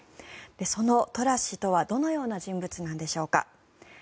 そのトラス氏とはどのような人物なんでしょうか。